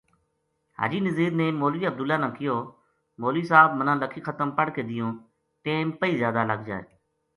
حاجی نزیر نے مولوی عبداللہ نا کہیو مولوی صاحب منا لکھی ختم پڑھ کے دیوؤں ٹیم پہی زیادہ لگ جائے